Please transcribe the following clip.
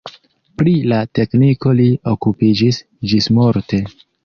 Pri la tekniko li okupiĝis ĝismorte.